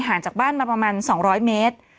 จากบ้านมาประมาณ๒๐๐เมตร